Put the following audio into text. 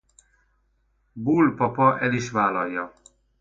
Boule papa el is vállalja.